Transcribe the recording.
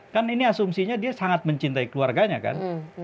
kan ini asumsinya dia sangat mencintai keluarganya kan